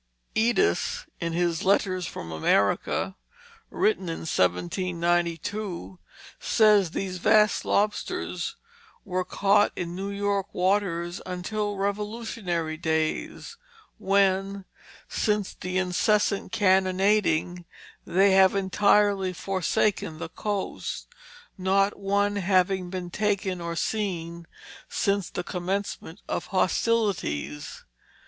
Eddis, in his Letters from America, written in 1792, says these vast lobsters were caught in New York waters until Revolutionary days, when "since the incessant cannonading, they have entirely forsaken the coast; not one having been taken or seen since the commencement of hostilities."